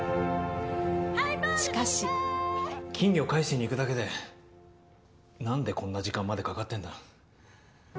金魚を返しに行くだけで何でこんな時間までかかってるんだ。